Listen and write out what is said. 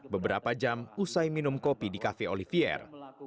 beberapa jam usai minum kopi di cafe olivier